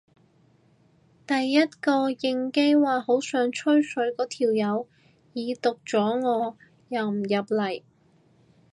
第一個應機話好想吹水嗰條友已讀咗我又唔入嚟